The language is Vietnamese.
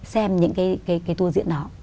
xem những cái tour diễn đó